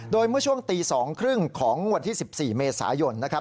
โดยเมื่อช่วงตี๒๓๐ของวันที่๑๔เมษายนนะครับ